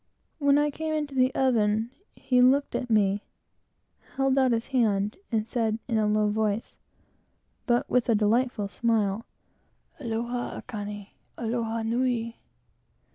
When I came into the oven he looked at me, held out his hand, and said, in a low voice, but with a delightful smile, "Aloha, Aikane! Aloha nui!"